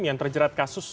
yang terjerat kasus